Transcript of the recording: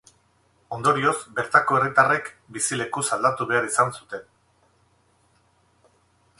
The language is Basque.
Ondorioz, bertako herritarrek bizilekuz aldatu behar izan zuten.